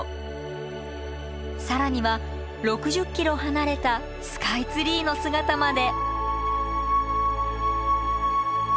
更には６０ｋｍ離れたスカイツリーの姿まで。